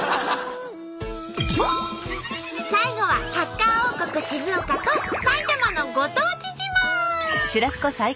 最後はサッカー王国静岡と埼玉のご当地自慢！